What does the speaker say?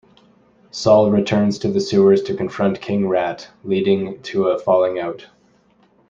Saul returns to the sewers to confront King Rat, leading to a falling out.